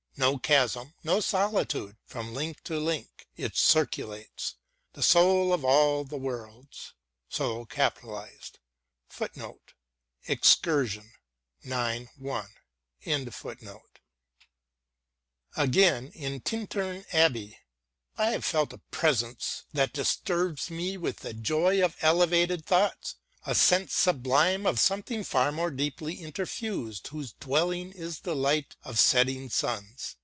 No chasm, no solitude, from link to link It circulates, the Soul of all the worlds.* Again, in " Tintern Abbey ": I have felt A presence that disturbs me with the joy Of elevated thoughts ; a sense sublime Of something far more deeply interfused, Whose dwelling is the light of setting suns.